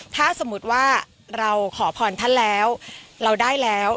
ถ้าสมมุติว่าเราขอพรท่านแล้วเราได้แล้ว